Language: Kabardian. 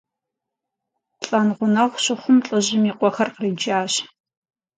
Лӏэн гъунэгъу щыхъум, лӏыжьым и къуэхэр къриджащ.